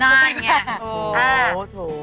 น่าอย่างเงี้ยโถ